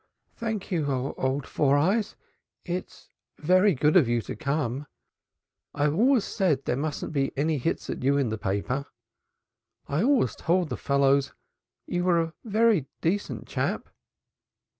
"Thank you, old Four Eyes. It's very good of you to come. I always said there mustn't be any hits at you in the paper. I always told the fellows you were a very decent chap."